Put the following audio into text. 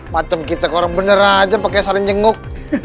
macem kita orang bener aja pakai saran jenguk